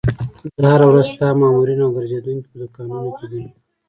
زه هره ورځ ستا مامورین او ګرځېدونکي په دوکانونو کې وینم.